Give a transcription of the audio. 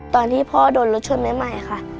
ตอนที่พ่อโดนรถชนใหม่ค่ะ